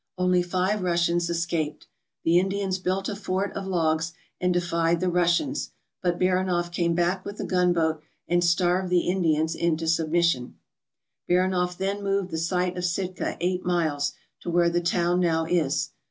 Only five Russians escaped. The Indians built a fort of logs and defied the Russians, but Baranof came back with a gunboat and starved the Indians into submission. Baranof then moved the site of Sitka eight miles, to where the town now is.